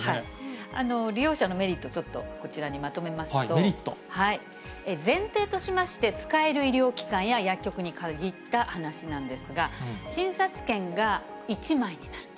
利用者のメリット、ちょっとこちらにまとめますけど、前提としまして、使える医療機関や薬局に限った話なんですが、診察券が１枚になると。